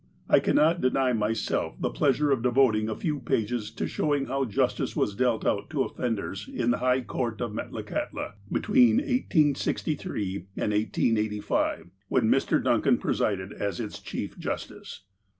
I cannot deny myself the pleasure of devoting a few pages to showing how justice was dealt out to offenders in the high court of Metlakahtla, between 1863 and 1885, when Mr. Duncan presided as its " chief justice."